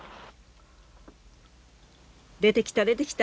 出てきた出てきた！